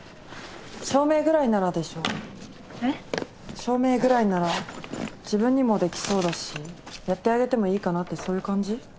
照明ぐらいなら自分にもできそうだしやってあげてもいいかなってそういう感じ？